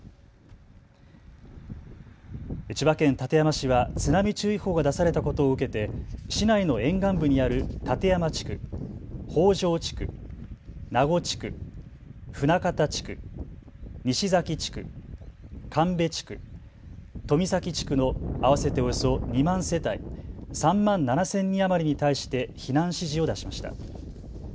千葉県館山市は津波注意報が出されたことを受けて市内の沿岸部にある館山地区、北条地区、那古地区、船形地区、西岬地区、神戸地区、富崎地区の合わせておよそ２万世帯３万７０００人余りに対して避難指示を出しました。